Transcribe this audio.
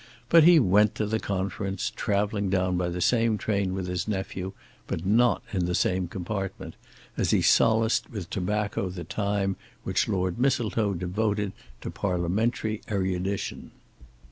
But he went to the conference, travelling down by the same train with his nephew; but not in the same compartment, as he solaced with tobacco the time which Lord Mistletoe devoted to parliamentary erudition.